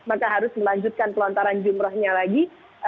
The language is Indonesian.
maka harus melanjutkan pelontaran jumrohnya lagi